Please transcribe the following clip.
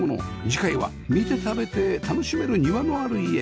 次回は見て食べて楽しめる庭のある家